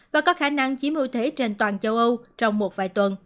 và có khả năng chiếm ưu thế trên toàn châu âu trong một vài tuần